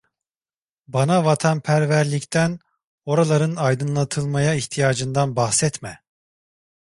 Bana vatanperverlikten, oraların aydınlatılmaya ihtiyacından bahsetme!